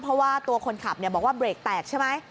เพราะว่าตัวคนขับบอกว่าเบรกแตกใช่ไหม